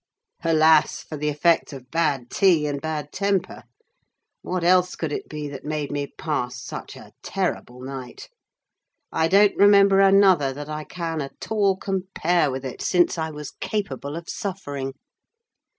Alas, for the effects of bad tea and bad temper! What else could it be that made me pass such a terrible night? I don't remember another that I can at all compare with it since I was capable of suffering.